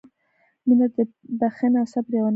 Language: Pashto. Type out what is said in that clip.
• مینه د بښنې او صبر یوه نښه ده.